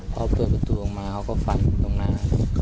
พอเปิดประตูออกมาเขาก็ฟันตรงนั้น